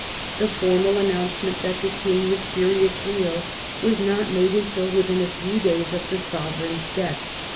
The formal announcement that the King was seriously ill was not made until within a few days of the sovereign's death.